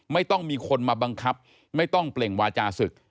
ไม่ต้องมีคนมาบังคับไม่ต้องเปล่งวาจาศึก